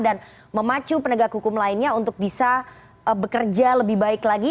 dan memacu penegak hukum lainnya untuk bisa bekerja lebih baik lagi